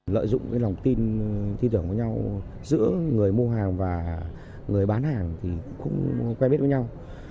lợi dụng lòng tin thi tưởng với nhau giữa người mua hàng và người bán hàng thì cũng quen biết với nhau